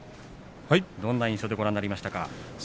どんな印象でご覧になりましたか。